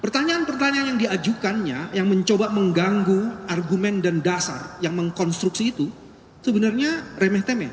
pertanyaan pertanyaan yang diajukannya yang mencoba mengganggu argumen dan dasar yang mengkonstruksi itu sebenarnya remeh temeh